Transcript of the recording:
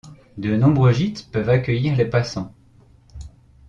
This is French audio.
De nombreux gîtes peuvent accueillir les passants.